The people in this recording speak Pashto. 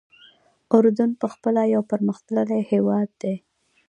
اردن پخپله یو پرمختللی هېواد دی.